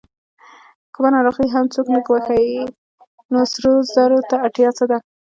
کومه ناروغي هم څوک نه ګواښي، نو سرو زرو ته اړتیا څه ده؟